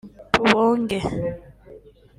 ‘Tubonge’